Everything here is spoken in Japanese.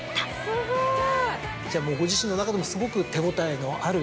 じゃあご自身の中でもすごく手応えのあるお仕事。